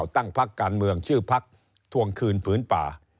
ตั้งพักการเมืองชื่อพักทวงคืนผืนป่า